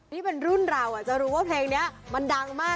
นี่เป็นรุ่นเราจะรู้ว่าเพลงนี้มันดังมาก